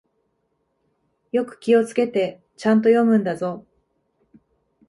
よく気をつけて、ちゃんと読むんだぞ。